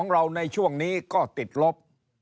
เราติดลบ